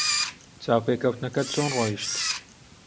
چاوپێکەوتنەکەت چۆن ڕۆیشت؟